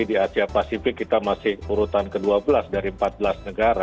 di asia pasifik kita masih urutan ke dua belas dari empat belas negara